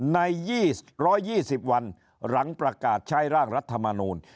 ใน๒๒๐วันหลังประกาศใช้ร่างรัฐมนูล